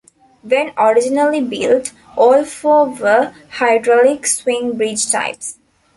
When originally built, all four were hydraulic swing bridge types.